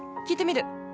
聞いてみる。